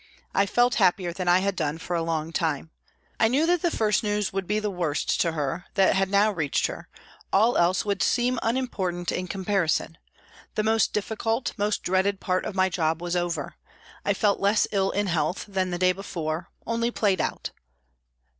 I felt happier than I had done for a long time. I knew that the first news would be the worst to her, that had now reached her, all else would seem unimportant in comparison ; the most difficult, most dreaded part of my job was over. I felt less ill in health than the day before, only played out.